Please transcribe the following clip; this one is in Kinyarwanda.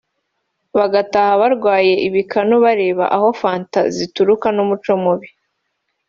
bagataha barwaye ibikanu bareba aho fanta zituruka ni umuco mubi